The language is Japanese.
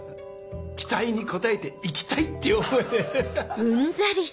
期待に応えて行きたいっていう思いで。